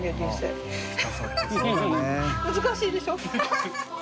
難しいでしょ？